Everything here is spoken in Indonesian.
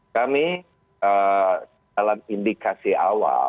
kami dalam indikasi awal